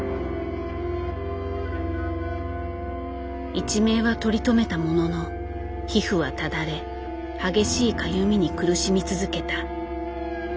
一命は取り留めたものの皮膚はただれ激しいかゆみに苦しみ続けた。